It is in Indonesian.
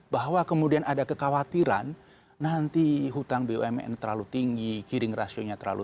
bahwa kemudian ada kekhawatiran nanti hutang bumn terlalu tinggi kiring rasionya terlalu